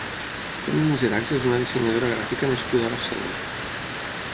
Toni Miserachs és una dissenyadora gràfica nascuda a Barcelona.